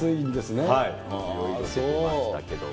いろいろ出てましたけども。